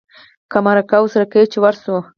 که مرکه ورسره کوې چې ورشو.